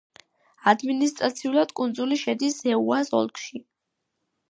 ადმინისტრაციულად კუნძული შედის ეუას ოლქში.